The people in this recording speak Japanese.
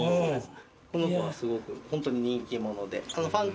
この子はすごくホントに人気者で。